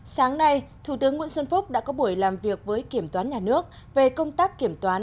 sáng nay thủ tướng nguyễn xuân phúc đã có buổi làm việc với kiểm toán nhà nước về công tác kiểm toán